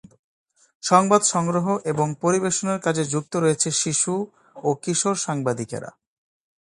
সংবাদ সংগ্রহ এবং পরিবেশনের কাজে যুক্ত রয়েছে শিশু ও কিশোর সাংবাদিকরা।